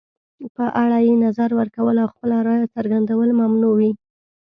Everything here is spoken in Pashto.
په اړه یې نظر ورکول او خپله رایه څرګندول ممنوع وي.